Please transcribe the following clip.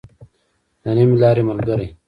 د نيمې لارې ملګری.